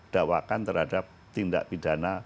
dakwakan terhadap tindak pidana